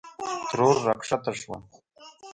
ترور راکښته شوه.